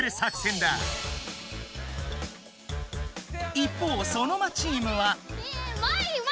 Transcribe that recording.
一方ソノマチームは。